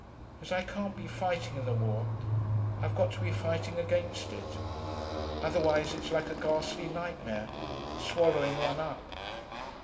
'As I can't be fighting in the war, I've got to be fighting against it. Otherwise it's like a ghastly nightmare, swallowing one up.